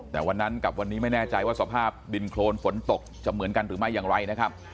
แต่วันนั้นกับวันนี้ไม่แน่ใจว่าสภาพดินโครนฝนตกจะเหมือนกันหรือไม่อย่างไรนะครับ